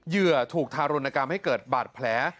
เหยื่อถูกทารุณกรรมให้เกิดบาดแผล